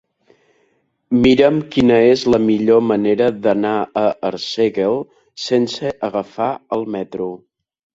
Mira'm quina és la millor manera d'anar a Arsèguel sense agafar el metro.